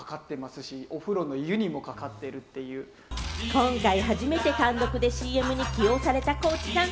今回、初めて単独でＣＭに起用された高地さん。